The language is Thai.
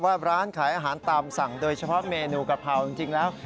ว่าร้านขายอาหารตามสั่งโดยเฉพาะเมนูกะเพราจริงแล้ว